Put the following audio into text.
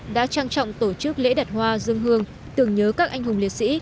đã trang trọng tổ chức lễ đặt hoa dân hương tưởng nhớ các anh hùng liệt sĩ